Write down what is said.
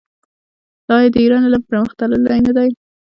آیا د ایران علم پرمختللی نه دی؟